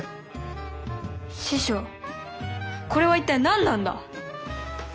師匠これは一体何なんだ？